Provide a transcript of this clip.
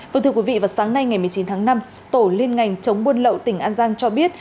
vâng thưa quý vị vào sáng nay ngày một mươi chín tháng năm tổ liên ngành chống buôn lậu tỉnh an giang cho biết